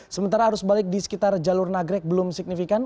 sementara arus balik di sekitar jalur nagrek belum signifikan